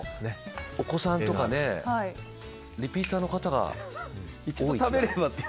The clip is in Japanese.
お子さんとかリピーターの方が多いかなって。